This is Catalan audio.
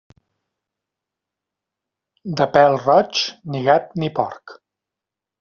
De pèl roig, ni gat, ni porc.